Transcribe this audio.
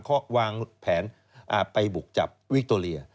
เขาวางแผนไปบุกจับวิคโตเรีย